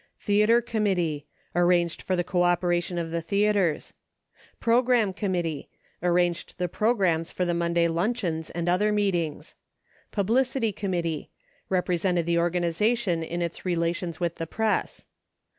Theatre Committee. Arranged for the co operation of the theatres. Program Committee. Arranged the programs for the Monday luncheons and other meetings. Publicity Committee. Represented the organization in its rela tions with the press.